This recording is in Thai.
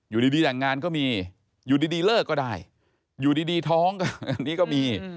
อยู่ดีหลังงานก็มีอยู่ดีเลิกก็ได้อยู่ดีท้องก็มี